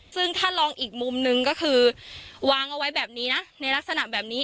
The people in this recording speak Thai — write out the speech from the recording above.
ซึ่งถ้าลองอีกมุมนึงก็คือวางเอาไว้แบบนี้นะในลักษณะแบบนี้